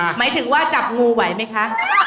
หมายถึงว่าจับงูไหวไหมคะ